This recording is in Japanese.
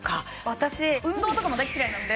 私運動とかも大っ嫌いなんで。